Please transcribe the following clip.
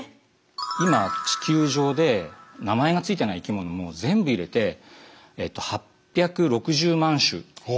今地球上で名前がついてない生きものも全部入れて８６０万種。